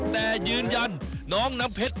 แต่ยืนยันน้องน้ำเพชร